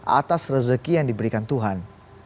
atas rezeki yang diberikan tuhan